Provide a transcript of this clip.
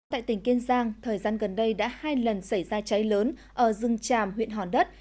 tại tỉnh kiên giang thời gian gần đây đã hai lần xảy ra cháy lớn ở rừng tràm huyện hòn đất